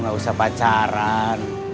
gak usah pacaran